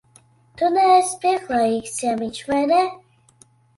Tu neesi pieklājīgs ciemiņš, vai ne?